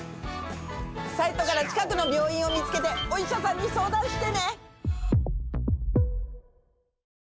サイトから近くの病院を見つけてお医者さんに相談してね！